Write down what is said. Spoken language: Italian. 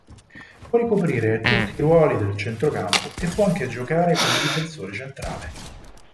Può ricoprire tutti i ruoli del centrocampo e può anche giocare come difensore centrale.